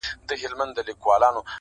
چا پوښتنه ورنه وكړله نادانه!.